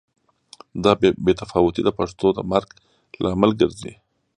دا بې تفاوتي د پښتو د مرګ لامل ګرځي.